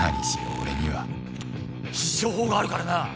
俺には必勝法があるからな